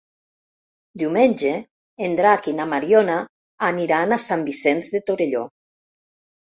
Diumenge en Drac i na Mariona aniran a Sant Vicenç de Torelló.